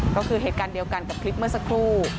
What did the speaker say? ก็คือเหตุการณ์เดียวกันกับคลิปเมื่อสักครู่